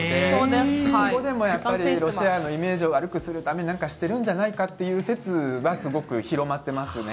そこでもやっぱりロシアのイメージを悪くするためになんかしてるんじゃないかという説はすごく広がっています。